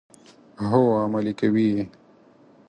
هو، عملي کوي یې.